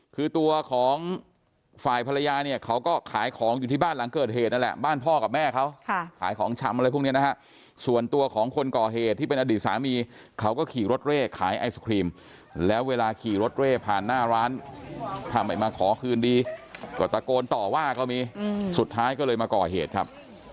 คือตัวของฝ่ายภรรยาเนี่ยเขาก็ขายของอยู่ที่บ้านหลังเกิดเหตุนั่นแหละบ้านพ่อกับแม่เขาขายของชำอะไรพวกนี้นะฮะส่วนตัวของคนก่อเหตุที่เป็นอดีตสามีเขาก็ขี่รถเร่ขายไอศครีมแล้วเวลาขี่รถเร่ผ่านหน้าร้านถ้าไม่มาขอคืนดีก็ตะโกนต่อว่าก็มีสุดท้ายก็เลยมาก่อเหตุครับ